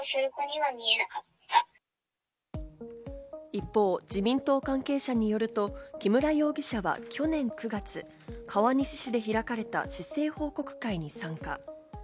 一方、自民党関係者によると木村容疑者は去年９月、川西市で開かれた市政報告会に参加。